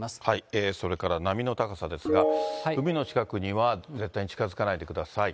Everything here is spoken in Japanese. それから波の高さですが、海の近くには絶対に近づかないでください。